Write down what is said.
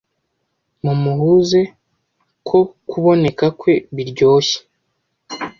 mumuhuze ko kuboneka kwe biryoshye